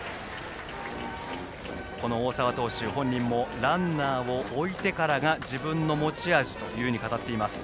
大沢投手本人もランナーを置いてからが自分の持ち味と語っています。